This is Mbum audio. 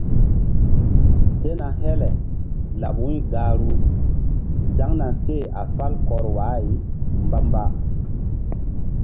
Sena hele laɓ wu̧y gahru zaŋna seh a fal kɔr wa-ay mbamba.